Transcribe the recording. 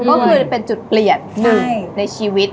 ก็คือเป็นจุดเปลี่ยนหนึ่งในชีวิต